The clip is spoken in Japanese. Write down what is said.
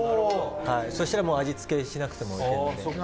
そうしたら味付けしなくてもいけるんで。